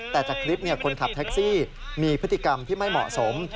แต่จากคลิปคนขับแท็กซี่มีพฤติกรรมที่ไม่เหมาะสม